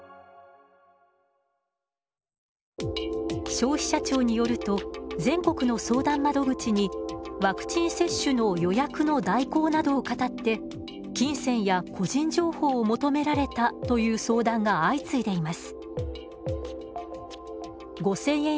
消費者庁によると全国の相談窓口にワクチン接種の予約の代行などをかたって金銭や個人情報を求められたという相談が相次いでいます。